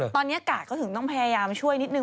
ตอนนี้กาดเขาถึงต้องพยายามช่วยนิดนึ